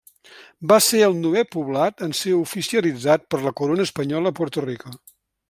Va ser el novè poblat en ser oficialitzat per la corona espanyola a Puerto Rico.